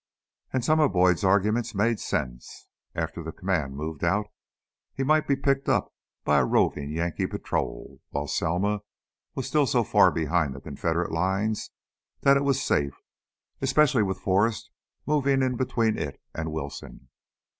And some of Boyd's argument made sense. After the command moved out he might be picked up by a roving Yankee patrol, while Selma was still so far behind the Confederate lines that it was safe, especially with Forrest moving between it and Wilson.